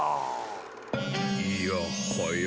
いやはや。